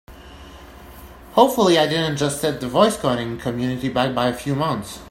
Hopefully I didn't just set the voice coding community back by a few months!